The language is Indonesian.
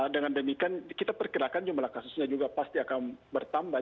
dengan demikian kita perkirakan jumlah kasusnya juga pasti akan bertambah